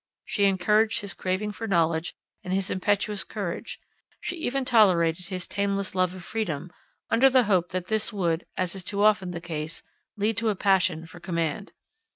She encouraged his craving for knowledge and his impetuous courage; she even tolerated his tameless love of freedom, under the hope that this would, as is too often the case, lead to a passion for command.